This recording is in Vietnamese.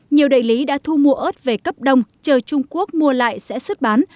nhiều đại lý đã thu mua ớt về cấp đông chờ trung quốc mua lại sẽ xuất bán